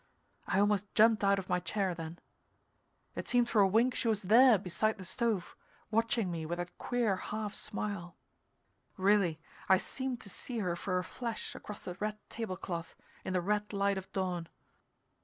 I almost jumped out of my chair then; it seemed for a wink she was there beside the stove watching me with that queer half smile really, I seemed to see her for a flash across the red table cloth in the red light of dawn.